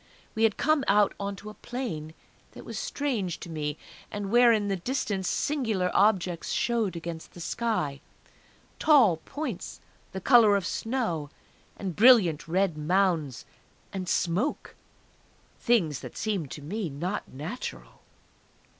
We had come out onto a plain that was strange to me, and where, in the distance, singular objects showed against the sky tall points the colour of snow, and brilliant red mounds, and smoke ... things that seemed to me not natural!